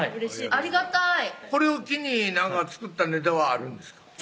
ありがたいこれを機に作ったネタはあるんですか？